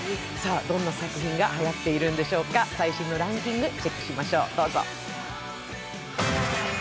どんな作品がはやっているんでしょうか、最新のランキングどうぞ。